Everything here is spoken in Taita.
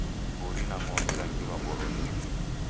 Mburi na ng'ondi rangirwa boronyi